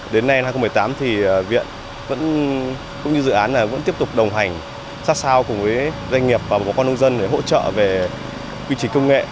đến nay hai nghìn một mươi tám thì viện vẫn như dự án là vẫn tiếp tục đồng hành sát sao cùng với doanh nghiệp và một con nông dân để hỗ trợ về quy trình công nghệ